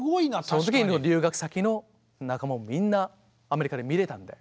その時に留学先の仲間もみんなアメリカで見れたので。